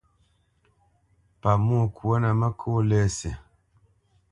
Pamwô kwô nǝ mǝkó lésî.